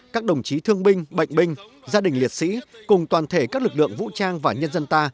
các đồng chí thương binh bệnh binh gia đình liệt sĩ cùng toàn thể các lực lượng vũ trang và nhân dân ta